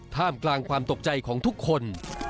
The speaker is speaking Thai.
ท่ามกลางความตกใจของทุกคน